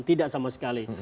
tidak sama sekali